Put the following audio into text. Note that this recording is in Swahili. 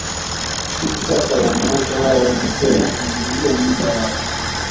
Hivi sasa wanawake hao wanajua kupangilia muda wao